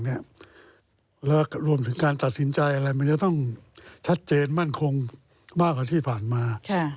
แล้วรวมถึงการตัดสินใจอะไรมันจะต้องชัดเจนมั่นคงมากกว่าที่ผ่านมา